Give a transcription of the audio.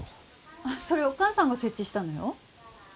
あっそれお母さんが設置したのよ。